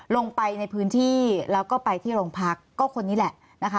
ลงไปในพื้นที่แล้วก็ไปที่โรงพักก็คนนี้แหละนะคะ